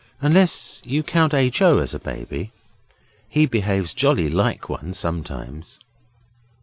'Unless you count H. O. as a baby: he behaves jolly like one sometimes.